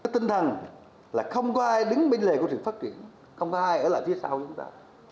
tinh thần là không có ai đứng bên lề của sự phát triển không ai ở lại phía sau chúng ta